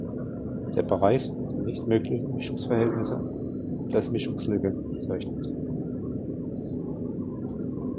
Der Bereich der nicht möglichen Mischungsverhältnisse wird als Mischungslücke bezeichnet.